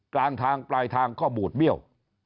กลางทางปลายทางก็บูดเบี้ยว